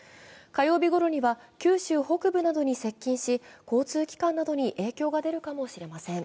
火曜日ごろには九州北部などに接近し、交通機関などに影響が出るかもしれません。